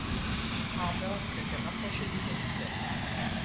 Harbert s’était rapproché du capitaine